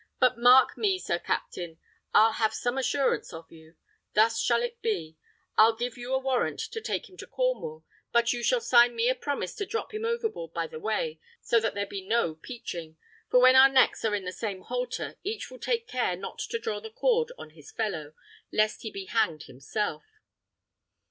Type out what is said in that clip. But mark me, Sir Captain! I'll have some assurance of you. Thus shall it be: I'll give you a warrant to take him to Cornwall, but you shall sign me a promise to drop him overboard by the way, so that there be no peaching; for when our necks are in the same halter, each will take care not to draw the cord on his fellow, lest he be hanged himself."